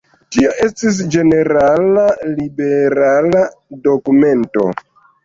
Tio estis ĝenerala liberala dokumento.